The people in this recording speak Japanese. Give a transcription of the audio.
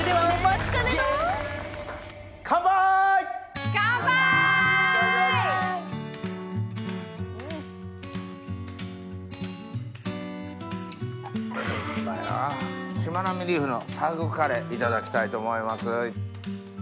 しまなみリーフのサグカレーいただきたいと思います。